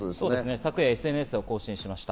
昨夜ＳＮＳを更新しました。